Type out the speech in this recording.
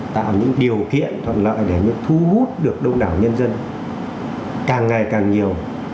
tạo những điều kiện thuận lợi để thu hút được đông đảo nhân dân càng ngày càng nhiều